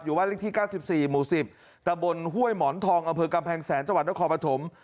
อยู่ว่าเลขที่ก้าสิบสี่หมู่สิบแต่บนห้วยหมอนทองอำเภอกำแพงแสนจังหวัดนครปภม